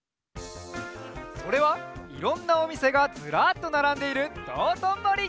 それはいろんなおみせがずらっとならんでいるどうとんぼり！